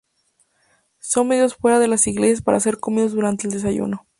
Son vendidos fuera de las iglesias para ser comidos durante el desayuno.